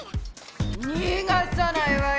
にがさないわよ。